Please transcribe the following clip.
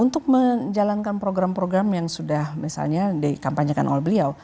untuk menjalankan program program yang sudah misalnya dikampanyekan oleh beliau